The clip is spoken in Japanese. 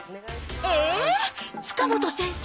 ええ⁉塚本先生